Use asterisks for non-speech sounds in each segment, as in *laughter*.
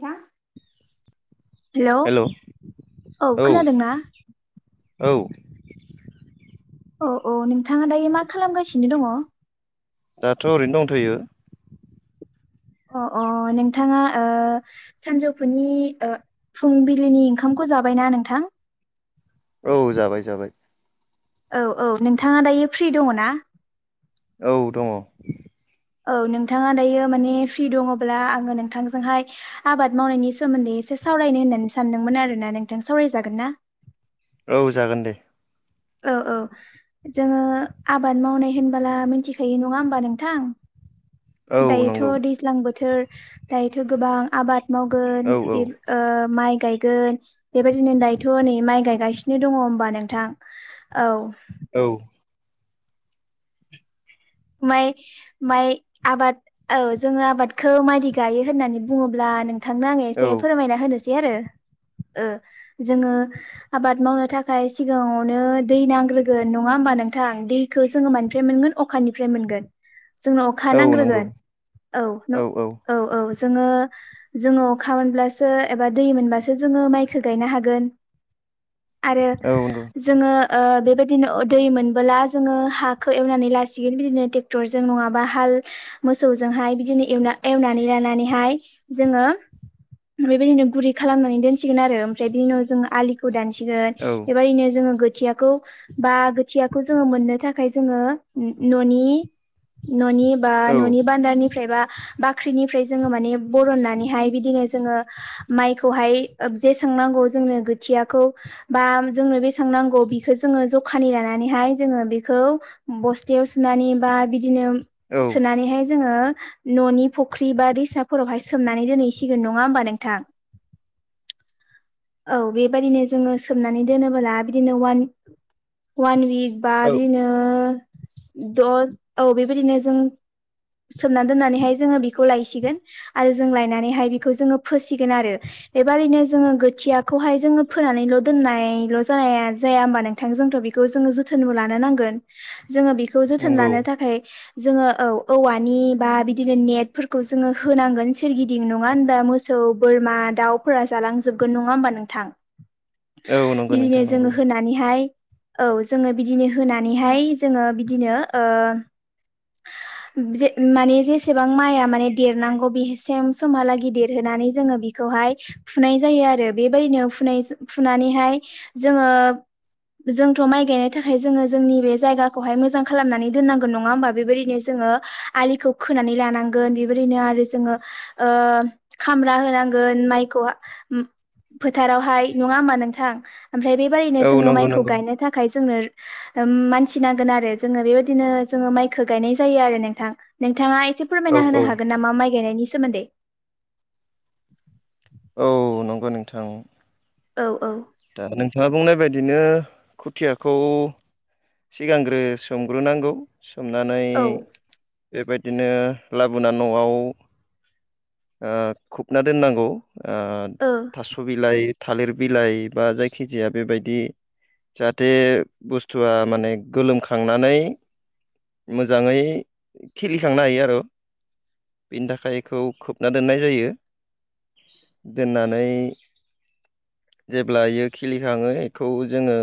थां हेलौ औ खोनादों ना औ-औ। औ-औ नोंथाङा दायो मा खालामगासिनो दङ? दाथ' ओरैनो दंथयो। अ-अ नोंथाङा ओ सानजौफुनि ओ फुंबिलिनि ओंखामखौ जाबायना नोंथां? औ जाबाय-जाबाय। औ-औ नोंथाङा दायो फ्रि दङ ना? औ दङ औ नोंथाङा दायो माने फ्रि दङब्ला आङो नोंथांजोंहाय आबाद मावनायनि सोमोन्दै एसे सावरायनो होननानै सानदोंमोन आरोना नोंथां सावरायजागोन ना? औ जागोन दे। औ औ जोङो आबाद मावनाय होनबोला मिन्थिखायो नङा होमबा नोंथां। औ दायोथ' नंगौ दैज्लां बोथोर दायोथ' गोबां आबाद मावगोन औ औ बे ओ माइ गायगोन बेबायदिनो दायोथ' नै माइ गायगासिनो दङ होमबा नोंथां। औ। औ। माइ माइ आबाद औ जोङो आबादखौ मायदि गायो होननानै बुङोब्ला नों -थांनो आङो औ एसे फोरमायना होनोसै आरो ओ जोङो आबाद मावनो थाखाय सिगाङावनो दै नांग्रोगोन नङा होमबा नोंथां? दैखौ जोङो मानिफ्राय मोनगोन अ अखानिफ्राय मोनगोन जोंनो अखा औ नंगौ नांग्रोगोन औ *unintelligible* औ औ जोङो जोङो अखा मोनब्लासो एबा दै मोनबासो जोङो माइखो गायनो हागोन। आरो औ नंगौ जोङो ओ बेबायदिनो अ दै मोनबोला जोङो हाखो एवनानै *unintelligible* *unintelligible* बिदिनो ट्रेक्टर जों नङाबा हाल मोसौजोंहाय बिदिनो एवना -एवनानै लानानैहाय जोङो बेबायदिनो गुरै खालामनानै दोनसिगोन आरो ओमफ्राय बिनि उनाव जों आलि *unintelligible* दासिगोन औ बेबायदिनो जोङो *unintelligible* खोथियाखौ बा खोथियाखौ जोङो मोननो थाखाय जोङो न'नि -न'नि बा औ न'नि बान्दारनिफ्राय बा बाख्रिनिफ्राय जोङो माने बरननानैहाय बिदिनो जोङो माइखौहाय ओ जेसां नांगौ जोंनो खोथियाखौ बा जोंनो बेसेबां नांगौ बिखो जोङो जखानि लानानैहाय जोङो बेखौ *unintelligible* *unintelligible* सोनानै बा बिदिनो औ सोनानैहाय जोङो न'नि फख्रि बा दैसाफोरावहाय सोमनानै दोनहैसिगोन नङा होमबा नोंथां? *unintelligible* औ बेबायदिनो जोङो सोमनानै दोनोबोला बिदिनो वान वान विइक बा बिदिनो दद औ बेबायदिनो जों सोमना दोननानैहाय जोङो बिखौ लायसिगोन आरो जों लायनानैहाय बिखौ जोङो फोसिगोन आरो बेबारैनो जोङो खोथियाखौहाय जोङो फोनानैल' दोननायल' जाया -जाया होमबा नों -थां जोंथ' बेखौ जोङो जोथोनबो लानो नांगोन। जोङो बेखौ जोथोन नंगौ लानो थाखाय जोङो औ औवानि बा बिदिनो नेटफोरखौ जोङो होनांगोन सोरगिदिं नङा होनबा मो -सौ, बोरमा, दाउफोरा जालांजोबगोन नङा होमबा नोंथां? औ नंगौ बिदिनो नोंथां नंगौ जोङो होनानैहाय औ जोङो बिदिनो होनानैहाय जोङो बिदिनो ओ *unintelligible* माने जेसेबां माइआ माने देरनांगौ बेसे समहालागि देरहोनानै जोङो बेखौहाय फुनाय जायो आरो बेबायदिनो फुनाय- फुनानैहाय जोङो जोंथ' माइ गायनो थाखाय जोङो जोंनि बे जायगा *unintelligible* मोजां खालामनानै दोननांगोन नङा होनबा? बेबायदिनो जोङो आलिखौ खोनानै लानांगोन बेबायदिनो आरो जोङो ओ खामला होनांगोन माइखौ फोथारावहाय नङा होनबा नोंथां? ओमफ्राय बेबादिनो औ जोङो नंगौ माइखौ नंगौ गायनो थाखाय जोंनो *unintelligible* *unintelligible* आरो जोङो बेबायदिनो जोङो मायखौ गायनाय जायो आरो नोंथां। नोंथाङा औ फोरमायना औ होनो हागोन नामा माइ गायनायनि सोमोन्दै? औ नंगौ नोंथां। औ औ। दा नोंथाङा बुंनाय बायदिनो खुथियाखौ सिगांग्रो सोमग्रोनांगौ सोमनानै औ बेबायदि बिदिनो लाबोना न'आव ओ खुबना दोननांगौ ओ थास' बिलाइ थालिर बिलाइ बा जायखिजाया बेबायदि जाहाथे बुस्थुआ माने गोलोमखांनानै मोजाङै खिलिखांनो हायो आरो बेनि थाखायखौ खोब ना दोननाय जायो दोननानै जेब्ला इयो खिलिखाङो एखौ जोङो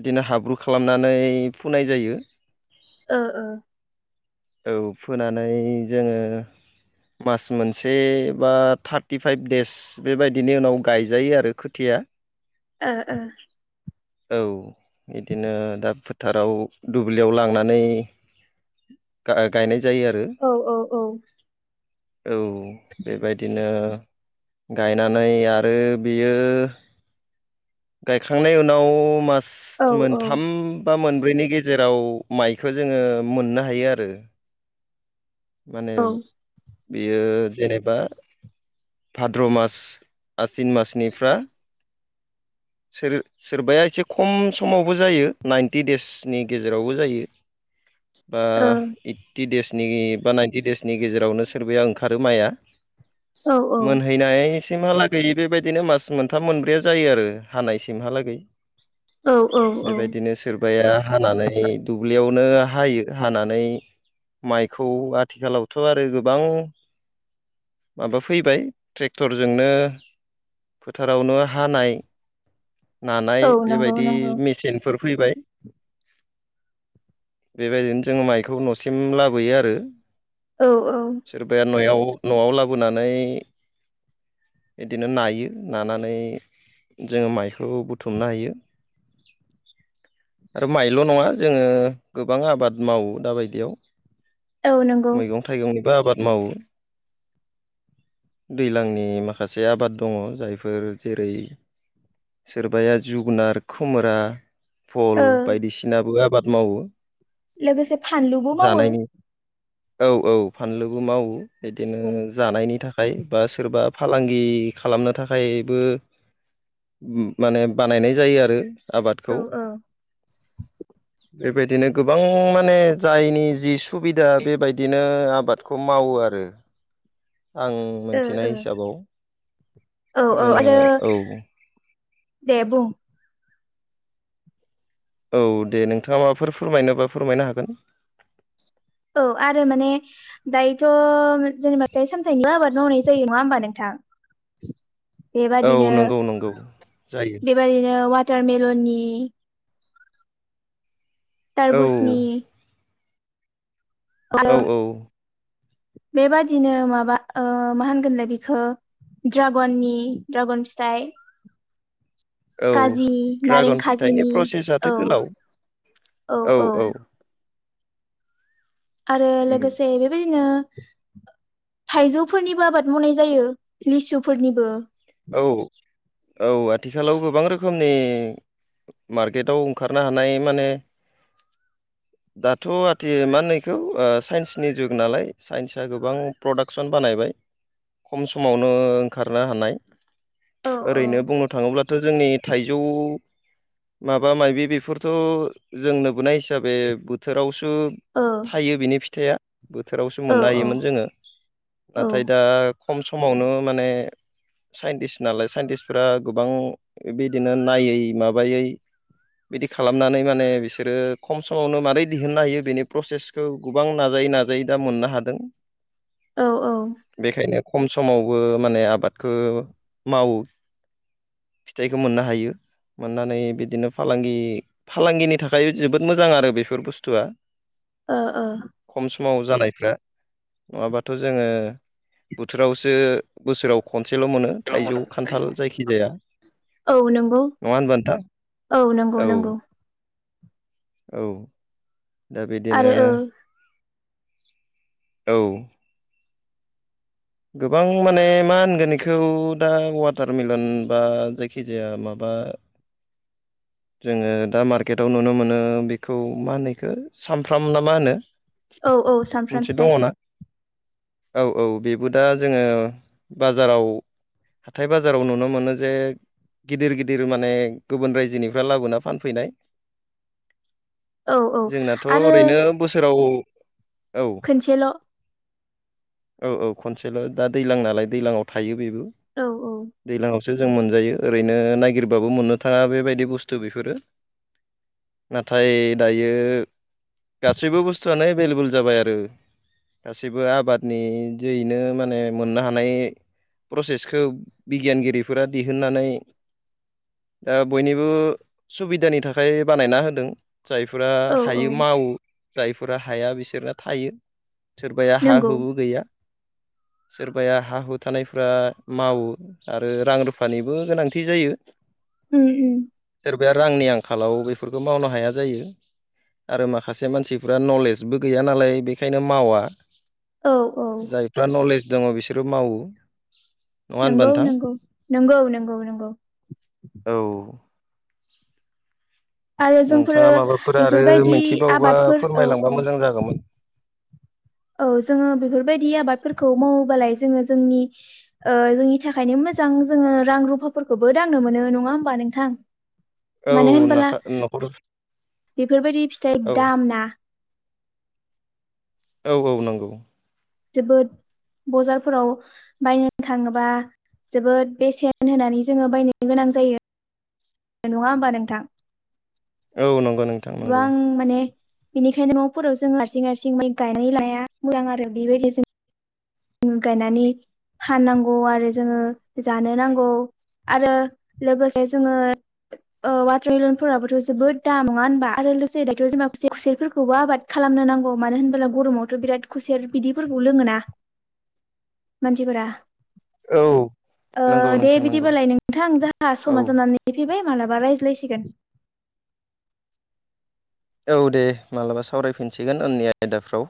इदिनो हाब्रु खालामनानै फुनाय जायो। ओ-ओ। औ फोनानै जोङो मास मोनसे बा थार्टिफाइभ देस बेबायदिनि उनाव गायजायो आरो खोथिया ओ-ओ। औ बिदिनो दा फोथाराव दुब्लियाव लांनानै गा-गायनाय जायो आरो। औ औ औ। औ बेबायदिनो गायनानै आरो बियो गायखांनायनि उनाव मास औ मोनथाम बा मोनब्रैनि गेजेराव माइख जोङो मोननो हायो आरो। माने औ ओ बियो जेनेबा भाद्र' मास आसिन मासनिफ्रा सोर-सोरबाया एसे खम समावबो जायो नाइन्टि देसनि गेजेरावबो जायो। *inaudible* ओ ओइटि देसनि बा नाइनटि देसनि गेजेरावनो सोरबाया ओंखारो माया औ मोन हैनाय सिमहालागै बेबायदिनो मास मोनथाम मोनब्रैया जायो आरो हानायसिमहालागै। *inaudible* औ औ बेबायदिनो स सोरबाया हानानै दुब्लियावनो हायो हानानै माइखौ खौ आथिखालावथ' आरो गोबां माबा फैबाय ट्रेक्टरजोंनो फोथारावनो हानाय नानाय औ नंगौ बेबायदि नंगौ मेसिनफोर फैबाय। बेबायदिनो जोङो माइखौ न'सिम लाबोयो आरो। औ-औ। सोरबाया न'याव न'आव लाबोनानै इदिनो नायो नानानै जोङो माइखौबो बुथुमनो हायो। आरो माइल' नङा जोङो गोबां आबाद मावो दाबायदियाव। औ नंगौ। मैगं थाइगंनिबो आबाद मावो। दैज्लांनि माखासे आबाद दङ जायफोर जेरै सोरबाया जुगुनार खुमब्रा भल ओ बायदिसिनाबो आबाद मावो लोगोसे फानलुबो मावो जानायनि। औ-औ फानलुबो मावो बिदिनो औ जानायनि थाखाय बा सोरबा फालांगि खालामनो थाखायबो मम माने बानायनाय जायो आरो औ आबादखौ। ओ बेबायदिनो गोबां माने जायनि जि सुबिदा बेबायदिनो आबाद बे खौ मावो आरो आं मोनथिनाय ओ हिसाबाव औ औ जोङो आरो औ दे बुं औ दे नोंथाङा माबाफोर फोरमायनोबा फोरमायनो हागोन औ आरो माने दायोथ' जेनेबा फिथाय सामथायनि आबाद मावनाय जायो नङा होमबा नोंथां औ बेबादिनो नंगौ नंगौ जायो बेबादिनो वाटारमिलननि औ तारबुसनि औ *unintelligible* औ बेबादिनो माबा ओ मा होनगोनलाय बेखौ ड्रागननि ड्रागन फिथाइ औ काजिनि नारें ड्रागन फिथाइनि खाजिनि प्रसेसआथो औ गोलाव औ औ आरो उम लोगोसे बेबायदिनो थाइजौफोरनिबो आबाद मावनाय जायो लिसुफोरनिबो औ औ आथिखालाव गोबां रोखोमनि मार्केटाव ओंखारनो हानाय माने - *inaudible* दाथ' आथि माहोनो एखौ साइन्सनि जुग नालाय साइन्सआ गोबां प्रडाक्सन बानायबाय खम समावनो ओंखारनो हानाय औ ओरैनो बुंनो थाङोब्ला थ' जोंनि थाइजौ माबा माबि बेफोरथ' जों नुबोनाय दा बे बोथोरावसो औ थायो बिनि फिथाइया बोथोरावसो औ मोननो हायोमोन जोङो औ नाथाय दा खम समावनो माने साइन्टिस्ट नालाय साइन्टिस्टफोरा गोबां बिदिनो नायै माबायै बिदि खालामनानै माने बिसोरो खम समावनो मारै दिहुननो हायो बेनि प्रसेस खौ गोबां नाजायै नाजायै दा मोननो हादों औ औ बेखायनो खम समावबो माने आबादखौ मावो फिथाइखौ मोननो हायो मोननानै बिदिनो फालांगि फालांगिनि थाखाय जोबोद मोजां आरो बेफोर बुस्थुआ ओ ओ खम समाव जानायफ्रा नङाबाथ' जोङो बोथोरावसो बोसोराव खनसेल' मोनो थाइजौ खान्थाल जायखि जाया औ नंगौ नङा होनबा नोंथां? नंगौ औ नंगौ औ दा आरो बिदिनो औ औ गोबां माने मा होनगोन बेखौ दा वाटार मिलन बा जायखिजाया माबा जोङो दा मार्केटआव नुनो मोनो बेखौ मा होनोखौ सामफ्रामना मा होनो औ औ सामफ्राम मोनसे फिथाइ दङ ना! औ औ बेबो दा जोङो बाजाराव हाथाय बाजाराव नुनो मोनो जे गिदिर गिदिर माने गुबुन रायजोनिफ्राय लाबोना फानैनाय औ औ जोंनाथ' आरो ओरैनो बोसोराव औ खनसेल' औ औ औ खनसेल' दा दैज्लां नालाय दैलांआव थायो बेबो औ औ दैलांआवसो जों मोनजायो ओरैनो नागिरबाबो मोननो थाङा बेबायदि बुस्थु बेफोरो नाथाय दायो गासैबो बुस्थुआनो एभेलेबल जाबाय आरो गासैबो आबादनि जोहैनो माने मोननो हानाय प्रसेसखौ बिगियानगिरिफोरा दिहुननानै दा बयनिबो सुबिदानि थाखाय बानायना होदों जायफोरा औ औ हायो मावो जायफोरा हाया बिसोरो थायो सोरबाया हा नंगौ हु गैया। *inaudible* सोरबाया हा हु थानायफ्रा मावो आरो रां रुफानिबो गोनांथि जायो। उम उम सोरबाया रांनि आंखालाव बेफोरखौ मावनो हाया जायो आरो माखासे मानसिफ्रा नलेजबो गैया नालाय बेखायनो मावा। औ औ फ्रा नलेज दङ बिसोरो मावो। नङा होनबा नंगौ नोंथां नंगौ नंगौ नंगौ नंगौ औ आरो जोंफोरो नोंथाङा माबाफोर आरो बेफोरबायदि मिथिबावबा आबादफोर औ फोरमायलांबा औ मोजां जागौमोन। औ जोङो बेफोरबायदि आबादफोरखौ मावोबालाय जोङो जोंनि ओ जोंनि थाखायनो मोजां जोङो रां रुफाफोरखौबो दांनो मोनो नङा ओमबा नोंथां औ मानो होनबोला नाखा न'खर बेफोरबायदि फिथाइ औ दामना औ औ नंगौ जोबोद बजारफोराव बायनो थाङोबा जोबोद बेसेन होनानै जोङो बायनो गोनां जायो। नङा ओमबा नोंथां औ नंगौ नोंथां नंगौ गोबां माने बिनिखायनो न'फोराव जों हारसिं हारसिं गायनाय लाया मोजां आरो बेबायदि जों *unintelligible* गायनानै फाननांगौ आरो जोङो जानो नांगौ। आरो लोगोसे जोङो औ वाटारमेलनफोराबोथ' जोबोद दाम नङा होनबा आरो लोगोसे दाथ' जोंना खुसेरफोरखौबो आबाद *unintelligible* खालामनो नांगौ मानो होनबोला गरमावथ' बिराद खुसेर बिदिफोरखौ लोङोना मानसिफोरा औ नंगौ दे नोंथां नंगौ बिदिबालाय नों नोंथां जोंहा औ समा जानानै फैबाय मालाबा रायज्लायसिगोन। औ दे मालाबा सावरायफिनसिगोन उननि आयदाफ्राव।